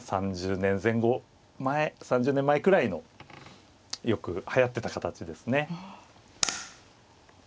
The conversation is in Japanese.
３０年前後３０年前くらいのよくはやってた形ですね。